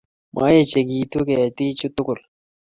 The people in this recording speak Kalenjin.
Maechekitu ketik chuu tugul